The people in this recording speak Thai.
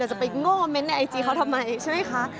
จะไปโง่เมนต์ในไอจีเขาทำไมใช่ไหมคะ